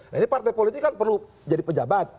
nah ini partai politik kan perlu jadi pejabat